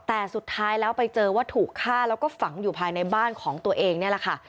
แต่สุดท้ายแล้วไปเจอว่าถูกฆ่าแล้วก็ฝังอยู่ภายในบ้านของตัวเองนี่แหละค่ะ